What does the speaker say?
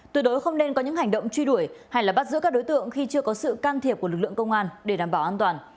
tuyệt đối không nên có những hành động truy đuổi hay bắt giữ các đối tượng khi chưa có sự can thiệp của lực lượng công an để đảm bảo an toàn